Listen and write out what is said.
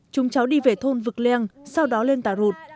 chúng cháu đi về thôn vực leng sau đó lên tà rụt